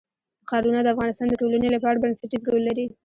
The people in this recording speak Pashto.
ښارونه د افغانستان د ټولنې لپاره بنسټيز رول لري.